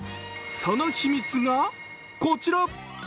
その秘密が、こちら。